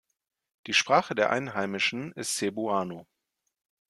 Die Sprache der Einheimischen ist Cebuano.